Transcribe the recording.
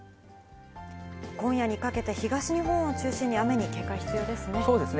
今夜にかけて、東日本を中心に雨に警戒必要ですね。